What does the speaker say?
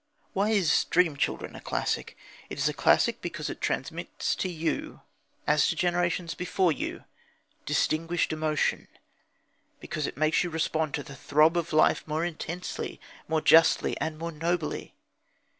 Why is Dream Children a classic? It is a classic because it transmits to you, as to generations before you, distinguished emotion, because it makes you respond to the throb of life more intensely, more justly, and more nobly.